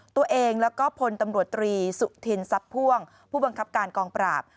ตัวเองแล้วก็พลตำรวจตรีสุธินทรัพย์พ่วงผู้บังคับการกองปราบ